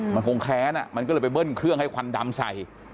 มันคงแค้นมันก็เลยไปเบิ้ลเครื่องให้ควันดำใส่